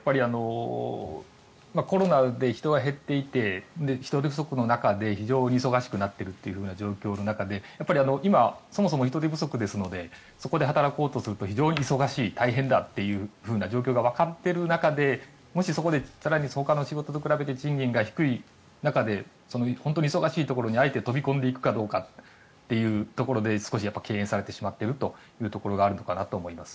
コロナで人が減っていて人手不足の中で非常に忙しくなっているという状況の中で今、そもそも人手不足ですのでそこで働こうとすると非常に忙しい、大変だという状況がわかっている中でもしそこで更にほかの仕事と比べて賃金が低い中で本当に忙しいところにあえて飛び込んでいくかどうかというところで少し敬遠されてしまっているところがあるのかなと思います。